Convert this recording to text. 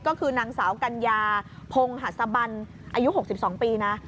ก็คือนางสาวกัญญาพงหัสบันอายุ๖๒ปีนะ